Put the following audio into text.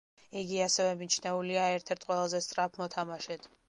იგი ასევე მიჩნეულია ერთ-ერთ ყველაზე სწრაფ მოთამაშედ.